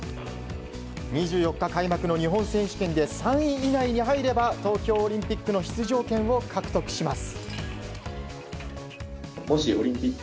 ２４日開幕の日本選手権で３位以内に入れば東京オリンピックの出場権を獲得します。